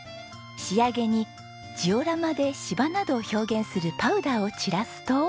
仕上げにジオラマで芝などを表現するパウダーを散らすと。